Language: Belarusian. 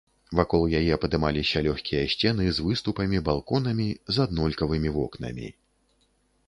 Вакол яе падымаліся лёгкія сцены, з выступамі, балконамі, з аднолькавымі вокнамі.